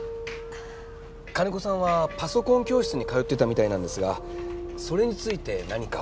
金子さんはパソコン教室に通っていたみたいなんですがそれについて何か？